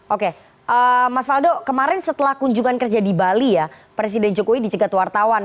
oke mas faldo kemarin setelah kunjungan kerja di bali ya presiden jokowi dicegat wartawan